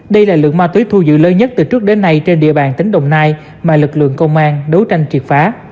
đây là lượng ma túy thu giữ lớn nhất từ trước đến nay trên địa bàn tỉnh đồng nai mà lực lượng công an đấu tranh triệt phá